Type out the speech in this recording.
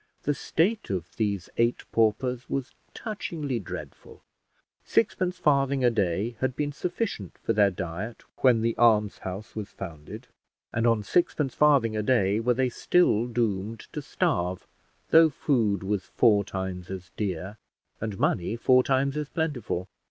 The state of these eight paupers was touchingly dreadful: sixpence farthing a day had been sufficient for their diet when the almshouse was founded; and on sixpence farthing a day were they still doomed to starve, though food was four times as dear, and money four times as plentiful.